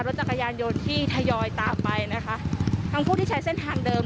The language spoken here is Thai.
รถจักรยานยนต์ที่ทยอยตามไปนะคะทั้งผู้ที่ใช้เส้นทางเดิม